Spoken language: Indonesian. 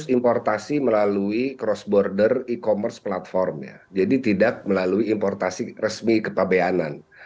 importasi melalui cross border e commerce platformnya jadi tidak melalui importasi resmi ke pabeanan